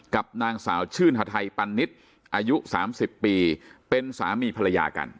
กับนางสาวชื่นฮาไทยปันนิษฐ์อายุ๓๐ปีเป็นสามีภรรยากัน